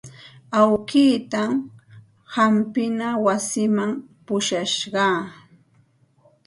Awkiitan hampina wasiman pusharqaa.